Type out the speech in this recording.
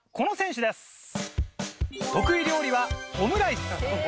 得意料理はオムライス。